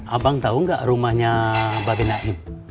abang tau gak rumahnya bapak genaim